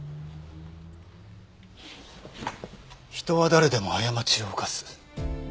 人は誰でも過ちを犯す。